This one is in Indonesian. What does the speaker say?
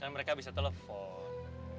kan mereka bisa telepon